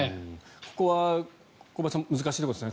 ここは小林さん難しいところですね。